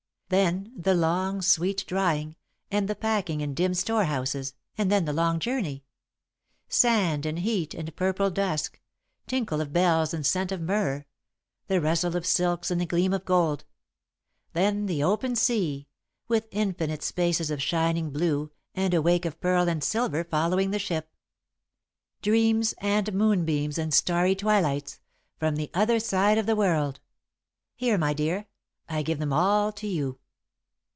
"Then the long, sweet drying, and the packing in dim storehouses, and then the long journey. Sand and heat and purple dusk, tinkle of bells and scent of myrrh, the rustle of silks and the gleam of gold. Then the open sea, with infinite spaces of shining blue, and a wake of pearl and silver following the ship. Dreams and moonbeams and starry twilights, from the other side of the world here, my dear, I give them all to you."